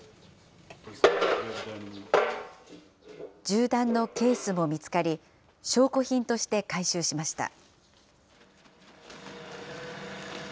銃弾のケースも見つかり、証拠品として回収しました。